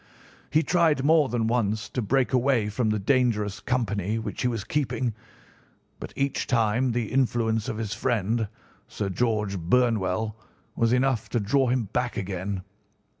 He tried more than once to break away from the dangerous company which he was keeping, but each time the influence of his friend, Sir George Burnwell, was enough to draw him back again.